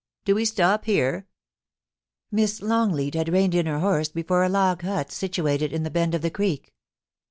Do we stop here T Miss Longleat had reined in her horse before a log hut situated in the bend of the creek.